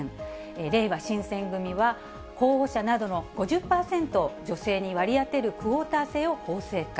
れいわ新選組は候補者などの５０％を女性に割り当てるクオータ制を法制化。